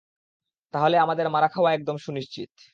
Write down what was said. তাহলে, আমাদের মারা খাওয়া একদম সুনিশ্চিত।